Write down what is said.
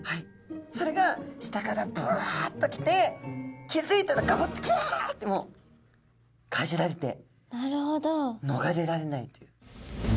それが下からブワッと来て気付いたらガブッてキャッてもうかじられてのがれられないという。